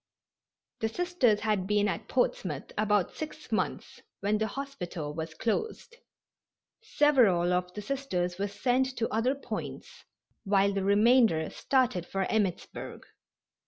The Sisters had been at Portsmouth about six months when the hospital was closed. Several of the Sisters were sent to other points, while the remainder started for Emmittsburg.